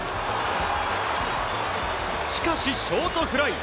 しかし、ショートフライ。